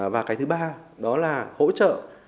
và cái thứ ba đó là hỗ trợ